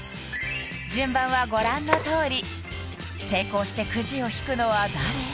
順番はご覧のとおり成功してくじを引くのは誰？